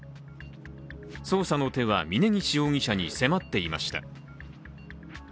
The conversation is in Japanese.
捜査の手は、峯岸容疑者に迫っていました。